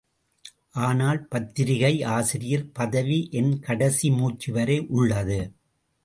ஆனால் பத்திரிகை ஆசிரியர் பதவி என் கடைசி மூச்சு வரை உள்ளது.